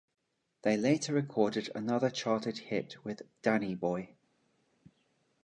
They later recorded another charted hit with "Danny Boy".